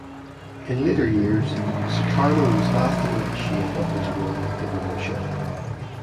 In later years, Sukarno was lastingly ashamed of his role with the "romusha".